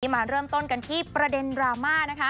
มาเริ่มต้นกันที่ประเด็นดราม่านะคะ